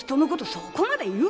そこまで言うか？